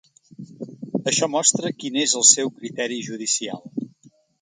Això mostra quin és el seu criteri judicial.